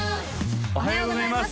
おはようございます